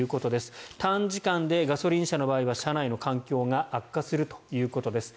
短時間でガソリン車の場合は車内の環境が悪化するということです。